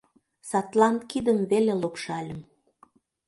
Садлан кидым веле лупшальым.